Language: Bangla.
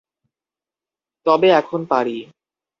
তবে এখন পারি।